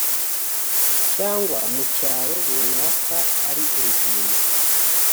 cyangwa mu cyaro runaka ari urugingo